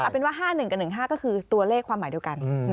เอาเป็นว่า๕๑กับ๑๕ก็คือตัวเลขความหมายเดียวกัน